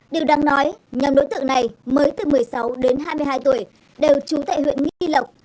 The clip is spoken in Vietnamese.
điều đáng nói nhóm đối tượng này mới từ một mươi sáu đến hai mươi hai tuổi đều trú tại huyện nghi lộc